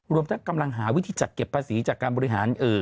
รวมทั้งกำลังหาวิธีจัดเก็บภาษีจากการบริหาร